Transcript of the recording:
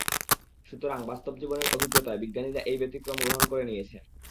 সুতরাং বাস্তব জীবনের অভিজ্ঞতায় বিজ্ঞানীরা এই ব্যতিক্রম গ্রহণ করে নিয়েছেন।